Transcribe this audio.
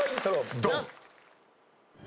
ドン！